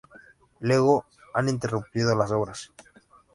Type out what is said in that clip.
Luego han interrumpido las obras.